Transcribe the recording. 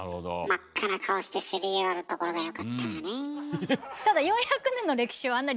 真っ赤な顔してせり上がるところがよかったのよねえ。